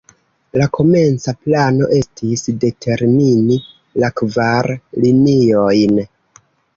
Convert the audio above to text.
La komenca plano estis determini la kvar liniojn.